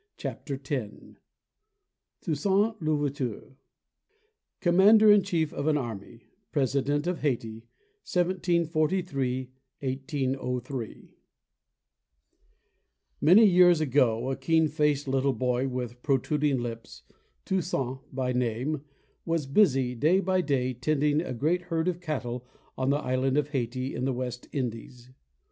Chapter X TOUSSAINT L'OUVERTURE COMMANDEK IN CHIEF OF AN AEMY PBESIDENT OF HAYTI 1743 1803 MANY years ago a keen faced little boy with protruding lips, Toussaint by name, was busy, day by day, tending a great herd of cattle on the Island of Hayti in the West Indies.